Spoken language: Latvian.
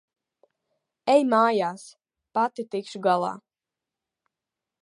Ej mājās. Pati tikšu galā.